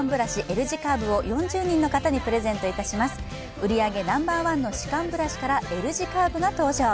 売り上げナンバーワンの歯間ブラシからＬ字カーブが登場。